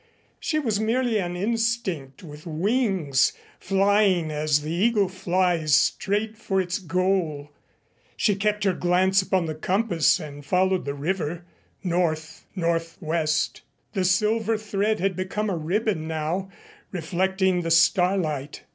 She was merely an instinct with wings, flying as the eagle flies straight for its goal. She kept her glance on the compass and followed the river. North northwest. The silver thread had become a ribbon now, reflecting the starlight.